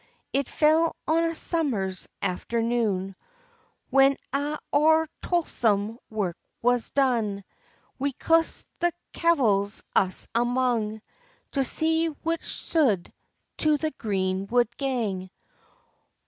"It fell on a summer's afternoon, When a' our toilsome work was done, We coost the kevils us amang, To see which suld to the green wood gang.